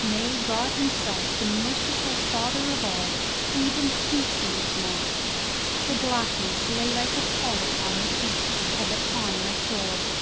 Nay, God Himself, the merciful Father of all, even He seemed not! The blackness lay like a pall upon the deep, and upon my soul.